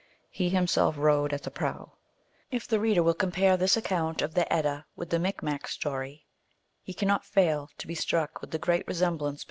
He himself rowed at the prow ." If the reader will compare this account of the Edda with the Micmac story, he cannot fail to be struck with the great resemblance between them.